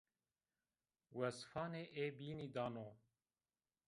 Wesfanê ê bînî dano